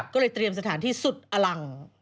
ก็เลยเตรียมสถานที่สุดอลัง